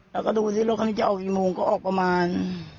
แล้วก็ดูสิรถคันนี้จะออกกี่โมงก็ออกประมาณ